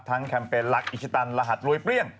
แคมเปญหลักอิชิตันรหัสรวยเปรี้ยง